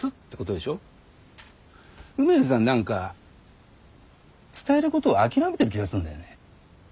梅津さん何か伝えることを諦めてる気がするんだよね。